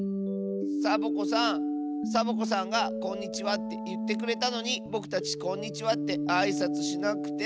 サボ子さんサボ子さんが「こんにちは」っていってくれたのにぼくたち「こんにちは」ってあいさつしなくて。